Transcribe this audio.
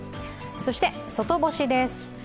そして外干しです。